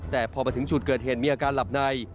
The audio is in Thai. แต่พอมาถึงจุดเกิดเหตุมีอาการหลับใน